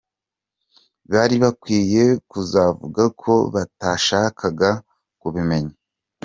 Bari bakwiye kuzavuga ko batashakaga kubimenya.